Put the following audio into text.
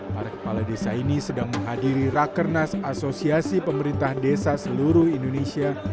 para kepala desa ini sedang menghadiri rakernas asosiasi pemerintah desa seluruh indonesia